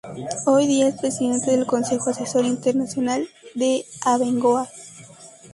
Hoy día, es presidente del Consejo Asesor Internacional de Abengoa.